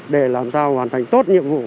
để làm sao hoàn thành tốt nhiệm vụ